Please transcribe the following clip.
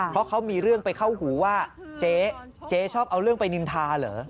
เพราะเขามีเรื่องไปเข้าหูว่าเจ๊เจ๊ชอบเอาเรื่องไปนินทาเหรอ